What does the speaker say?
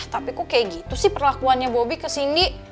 tapi kok kayak gitu sih perlakuannya bobby ke sindi